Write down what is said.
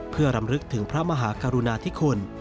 เพื่อรำลึกถึงพระมหากรุณาธิคุณ